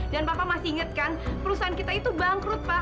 dan pa pa masih ingatkan perusahaan kita itu bangkrut pa